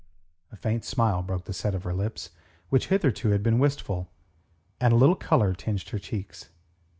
A faint smile broke the set of her lips, which hitherto had been wistful, and a little colour tinged her cheeks.